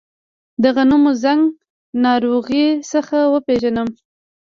د غنمو زنګ ناروغي څنګه وپیژنم؟